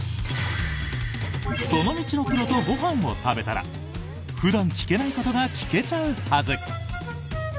その道のプロとご飯を食べたら普段聞けないことが聞けちゃうはず。